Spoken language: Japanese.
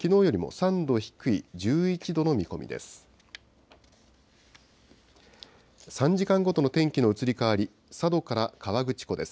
３時間ごとの天気の移り変わり、佐渡から河口湖です。